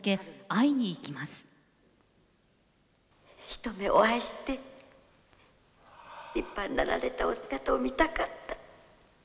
一目お会いして立派になられたお姿を見たかった。